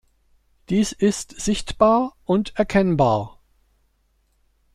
Dies ist sichtbar und erkennbar.